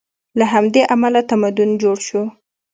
له همدې امله تمدن جوړ شو.